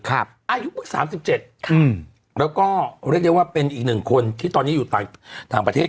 อายุเพิ่ง๓๗แล้วก็เรียกได้ว่าเป็นอีกหนึ่งคนที่ตอนนี้อยู่ต่างประเทศ